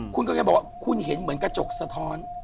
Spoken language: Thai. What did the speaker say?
คุณกำลังจะบอกว่าคุณเห็นเหมือนกระจกสะท้อน